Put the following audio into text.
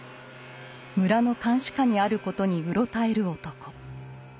村の監視下にあることにうろたえる男。